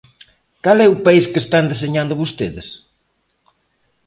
¿Cal é o país que están deseñando vostedes?